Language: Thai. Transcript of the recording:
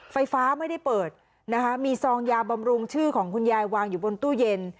ไฟฟ้าไม่ได้เปิดนะคะมีซองยาบำรุงชื่อของคุณยายวางอยู่บนตู้เย็น